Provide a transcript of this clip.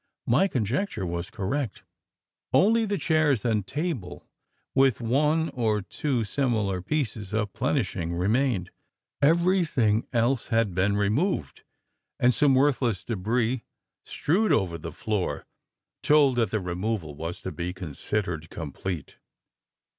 My conjecture was correct. Only the chairs and table with one or two similar pieces of "plenishing," remained. Everything else had been removed; and some worthless debris strewed over the floor, told that the removal was to be considered complete.